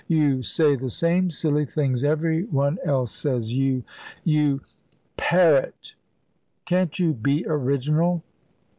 You say the same silly things every one else says you you parrot! Can't you be original?"